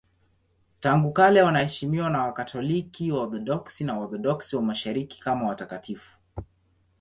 Tangu kale wanaheshimiwa na Wakatoliki, Waorthodoksi na Waorthodoksi wa Mashariki kama watakatifu.